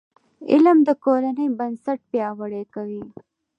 علم د کورنۍ بنسټ پیاوړی کوي.